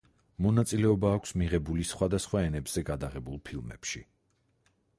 მონაწილეობა აქვს მიღებული სხვადასხვა ენებზე გადაღებულ ფილმებში.